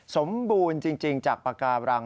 สมบูรณ์จริงจากปากการัง